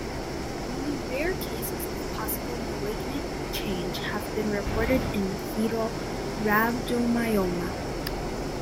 Only rare cases of possible malignant change have been reported in fetal rhabdomyoma.